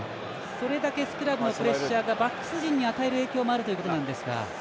それだけスクラムのプレッシャーがバックス陣に与える影響もあるということですか。